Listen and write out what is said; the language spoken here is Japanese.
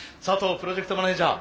プロジェクトマネージャー